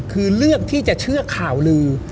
คือเลือกที่จะเชื่อข่าวลือ